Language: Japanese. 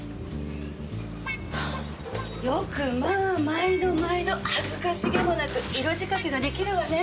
よくまあ毎度毎度恥ずかしげもなく色仕掛けが出来るわね。